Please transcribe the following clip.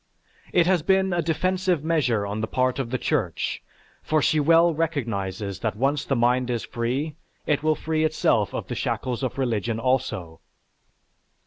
It has been a defensive measure on the part of the Church, for she well recognizes that once the mind is free, it will free itself of the shackles of religion also.